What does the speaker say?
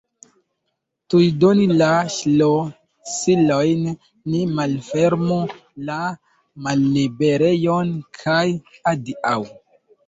Tuj donu la ŝlosilojn, ni malfermu la malliberejon kaj adiaŭ!